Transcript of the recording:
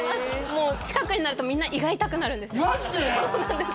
もう近くになるとみんな胃が痛くなるんですマジで？